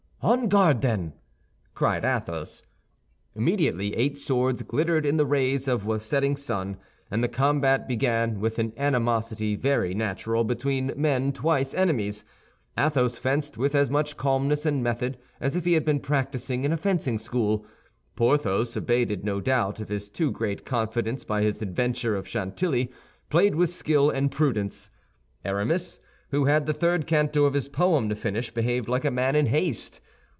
"On guard, then!" cried Athos. Immediately eight swords glittered in the rays of the setting sun, and the combat began with an animosity very natural between men twice enemies. Athos fenced with as much calmness and method as if he had been practicing in a fencing school. Porthos, abated, no doubt, of his too great confidence by his adventure of Chantilly, played with skill and prudence. Aramis, who had the third canto of his poem to finish, behaved like a man in haste.